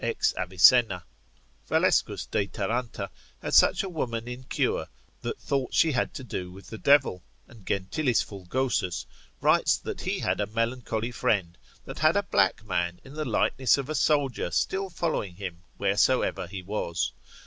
ex Avicenna. Valescus de Taranta had such a woman in cure, that thought she had to do with the devil: and Gentilis Fulgosus quaest. 55. writes that he had a melancholy friend, that had a black man in the likeness of a soldier still following him wheresoever he was.